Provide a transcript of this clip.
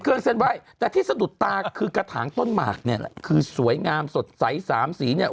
เครื่องเซ็นไวว์แต่ที่สะดุดตาคือกระถางต้นหมากสวยงามสดใส๓สี